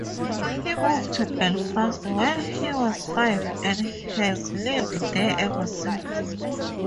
He moved to Belfast when he was five and has lived there ever since.